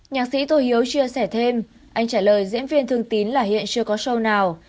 nhạc sĩ tô hiếu chia sẻ thêm anh trả lời diễn viên thương tín là hiện chưa có show nào